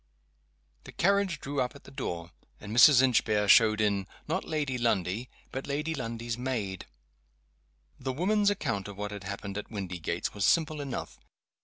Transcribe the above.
The carriage drew up at the door; and Mrs. Inchbare showed in not Lady Lundie, but Lady Lundie's maid. The woman's account of what had happened at Windygates was simple enough.